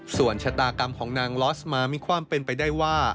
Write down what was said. ส่วนชะตากรรมของนางลอสมามีความเป็นไปได้ว่า